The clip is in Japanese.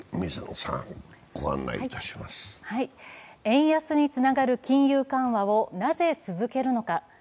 円安につながる金融緩和をなぜ続けるのか。